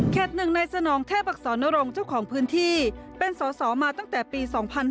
เขต๑ในสนองเทพศนรงค์เจ้าของพื้นที่เป็นสศมาตั้งแต่ปี๒๕๕๐